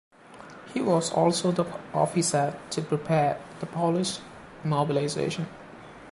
He was also the officer to prepare the Polish mobilization.